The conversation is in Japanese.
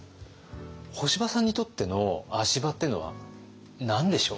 干場さんにとっての足場っていうのは何でしょう？